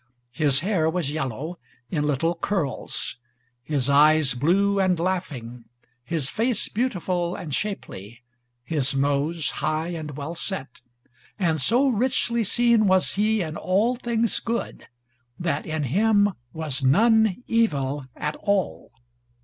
His hair was yellow, in little curls, his eyes blue and laughing, his face beautiful and shapely, his nose high and well set, and so richly seen was he in all things good, that in him was none evil at all.